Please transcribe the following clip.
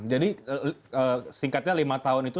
jadi singkatnya lima tahun itu